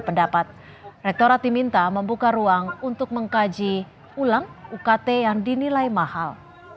pendapat rektorat diminta membuka ruang untuk mengkaji ulang ukt yang dinilai mahal